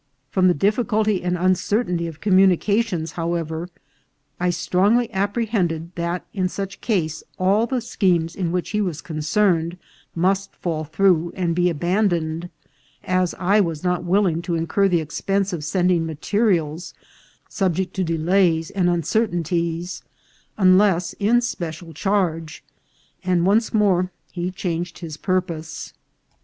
From the difficulty and uncertainty of communications, however, I strongly api prehended that in such case all the schemes in which he was concerned must fall through and be abandoned, as I was not willing to incur the expense of sending materials, subject to delays and uncertainties, unless in special charge, and once more he changed his purpose.